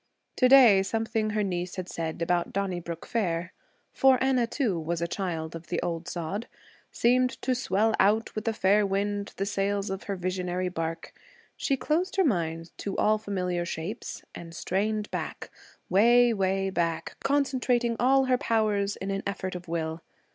To day, something her niece had said about Donnybrook Fair for Anna, too, was a child of the old sod seemed to swell out with a fair wind the sails of her visionary bark. She closed her mind to all familiar shapes and strained back way, way back, concentrating all her powers in an effort of will.